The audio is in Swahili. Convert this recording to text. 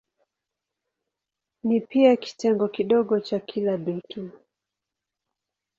Ni pia kitengo kidogo cha kila dutu.